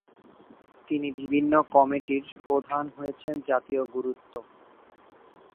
তিনি বিভিন্ন কমিটির প্রধান হয়েছেন জাতীয় গুরুত্ব।